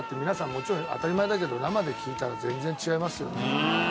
もちろん当たり前だけど生で聴いたら全然違いますよね。